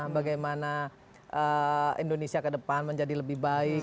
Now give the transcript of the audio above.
bagaimana indonesia ke depan menjadi lebih baik